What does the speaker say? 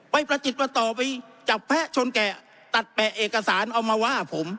ไปประจิตประต่อไปจับแพะชนแกะตัดแปะเอกสารเอามาว่าผม